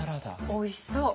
おいしそう。